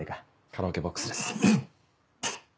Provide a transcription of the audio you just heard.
カラオケボックスです。